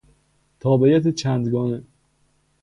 تابعیت چند گانه